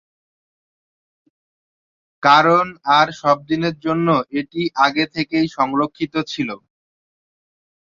কারণ আর-সব দিনের জন্য এটি আগে থেকেই সংরক্ষিত ছিলো।